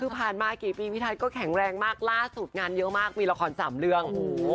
คือผ่านมากี่ปีพี่ทัศน์ก็แข็งแรงมากล่าสุดงานเยอะมากมีละคร๓เรื่อง